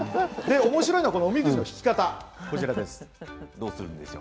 おもしろいのがおみくじの引き方です。